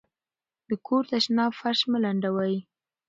د کور تشناب فرش مه لندوئ.